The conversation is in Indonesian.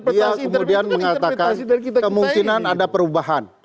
dia kemudian mengatakan kemungkinan ada perubahan